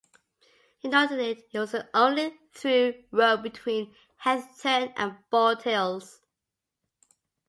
It noted it was the only through road between Heatherton and Bald Hills.